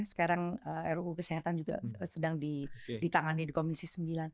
sekarang ruu kesehatan juga sedang ditangani di komisi sembilan